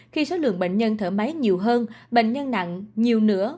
khi số lượng bệnh nhân thở máy nhiều hơn bệnh nhân nặng nhiều nữa